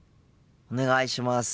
お願いします。